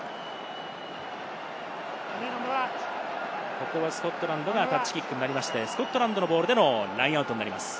ここはスコットランドがタッチキックになりましてスコットランドボールでのラインアウトになります。